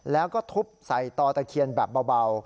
แล้วก็ทุบใส่ต่อตะเคียนแบบเบา